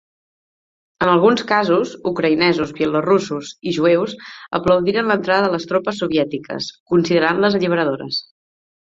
En alguns casos, ucraïnesos, bielorussos i jueus aplaudiren l'entrada de les tropes soviètiques, considerant-les alliberadores.